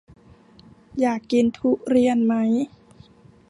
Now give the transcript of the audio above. อยากกินทุเรียนไหม